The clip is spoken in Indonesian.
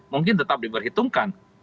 mungkin tetap diperhitungkan